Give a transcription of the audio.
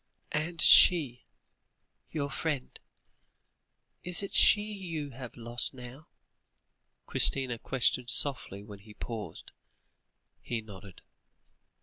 "And she your friend is it she you have lost now?" Christina questioned softly, when he paused. He nodded.